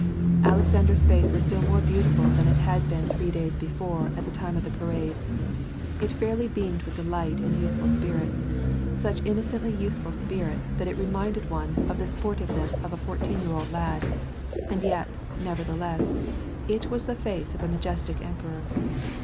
Alexander's face was still more beautiful than it had been three days before at the time of the parade. It fairly beamed with delight and youthful spirits, — such inno cently youthful spirits that it reminded one of the sportive ness of a fourteen year old lad ; and yet, nevertheless, it was the face of a majestic emperor